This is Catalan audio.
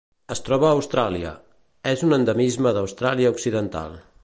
Es troba a Austràlia: és un endemisme d'Austràlia Occidental.